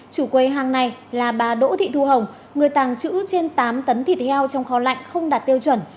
chủ quầy hàng này là bà đỗ thị thu hồng người tàng trữ trên tám tấn thịt heo trong kho lạnh không đạt tiêu chuẩn